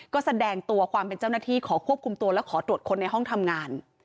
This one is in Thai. ก็แสดงตัวความเป็นเจ้าหน้าที่ขอควบคุมตัวและขอตรวจค้นในห้องทำงาน